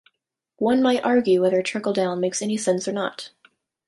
One might argue whether trickle down makes any sense or not.